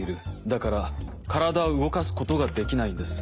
だから体を動かすことができないんです。